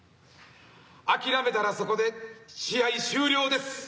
「諦めたらそこで試合終了です」。